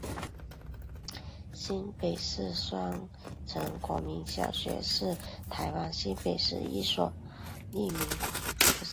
新北市立双城国民小学是台湾新北市一所市立国民小学。